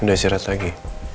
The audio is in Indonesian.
udah istirahat lagi